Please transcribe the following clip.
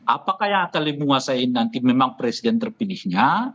apakah yang akan dimuasai nanti memang presiden terpilihnya